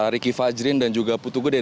ricky fajrin dan juga putu gede